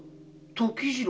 「時次郎。